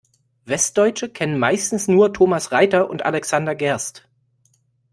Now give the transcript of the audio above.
Westdeutsche kennen meistens nur Thomas Reiter und Alexander Gerst.